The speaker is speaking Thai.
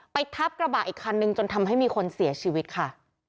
ทับกระบะอีกคันนึงจนทำให้มีคนเสียชีวิตค่ะ